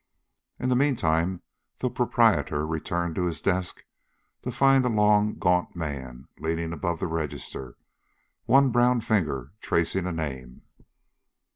In the meantime the proprietor returned to his desk to find a long, gaunt man leaning above the register, one brown finger tracing a name.